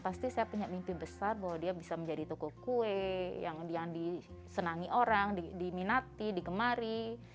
pasti saya punya mimpi besar bahwa dia bisa menjadi toko kue yang disenangi orang diminati digemari